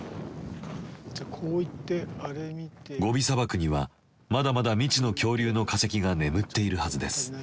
ゴビ砂漠にはまだまだ未知の恐竜の化石が眠っているはずです。